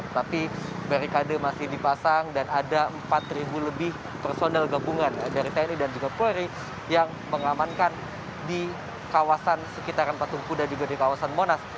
tetapi barikade masih dipasang dan ada empat lebih personel gabungan dari tni dan juga polri yang mengamankan di kawasan sekitaran patung kuda juga di kawasan monas